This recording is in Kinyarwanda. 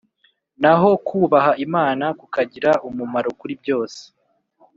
Naho kubaha Imana kukagira umumaro kuri byose